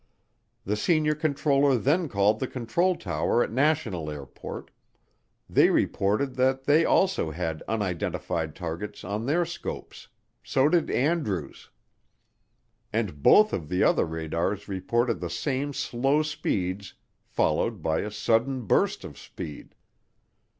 The senior controller then called the control tower at National Airport; they reported that they also had unidentified targets on their scopes, so did Andrews. And both of the other radars reported the same slow speeds followed by a sudden burst of speed.